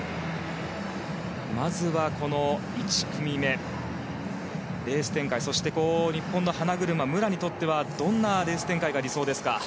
まずは、この１組目レース展開そして日本の花車、武良にとってはどんなレース展開が理想ですか？